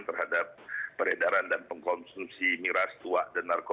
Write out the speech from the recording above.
terhadap peredaran dan pengkonsumsi miras tua dan narkoba